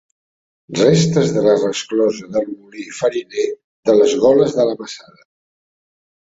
Restes de la resclosa del molí fariner de les Goles de la Masada.